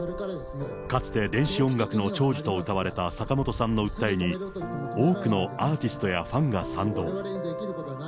かつて電子音楽の寵児とうたわれた坂本さんの訴えに、多くのアーティストやファンが賛同。